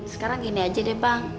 sekarang ini aja deh bang